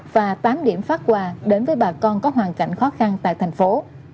và tám điểm phát quà đến với bà con có hoàn cảnh khó khăn tại thành phố